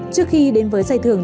trước khi đến với giải thưởng